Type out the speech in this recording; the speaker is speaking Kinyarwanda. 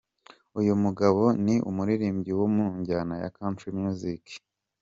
Uyu mugabo ni umuririmbyi wo mu njyana ya Country Music.